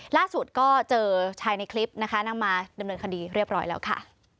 ล่าสุดก็เจอชายในคลิปนะคะนำมาดำเนินคดีเรียบร้อยแล้วค่ะ